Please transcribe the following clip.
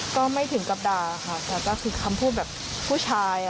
ก็ไม่ถึงกับด่าค่ะแต่ก็คือคำพูดแบบผู้ชาย